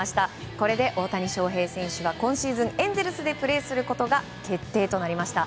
これで大谷翔平選手は今シーズン、エンゼルスでプレーすることが決定となりました。